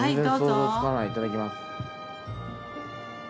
はい。